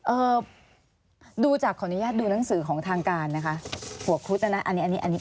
เอ่อดูจากขออนุญาตดูหนังสือของทางการนะคะหัวครุฑนะนะอันนี้อันนี้